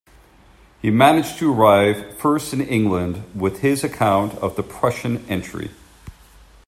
He managed to arrive first in England with his account of the Prussian entry.